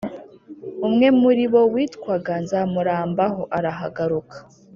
umwe muri bo witwaga nzamurambaho arahaguruka